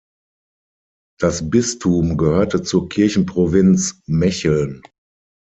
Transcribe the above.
Das Bistum gehörte zur Kirchenprovinz Mecheln.